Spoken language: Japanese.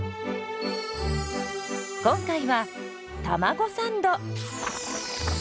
今回はたまごサンド。